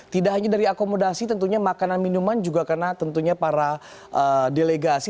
tidak hanya dari akomodasi tentunya makanan minuman juga karena tentunya para delegasi